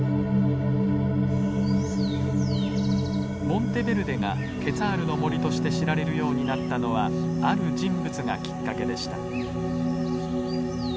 モンテベルデがケツァールの森として知られるようになったのはある人物がきっかけでした。